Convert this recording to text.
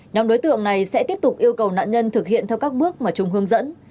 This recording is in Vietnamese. nhóm đối tượng này sẽ tiếp tục yêu cầu nạn nhân thực hiện theo các bước mà trung hướng dẫn